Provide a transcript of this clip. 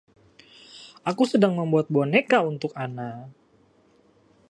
Aku sedang membuat boneka untuk Anna.